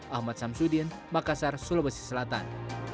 ahmad samsudin makassar sulawesi selatan